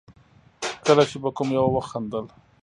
کله چې به کوم يوه وخندل.